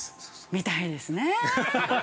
◆みたいですね。